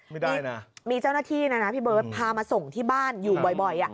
ไม่ได้นะมีเจ้าหน้าที่นะนะพี่เบิร์ตพามาส่งที่บ้านอยู่บ่อย